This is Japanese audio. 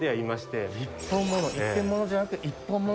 一点物じゃなくて一本物。